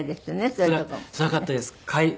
つらかったです。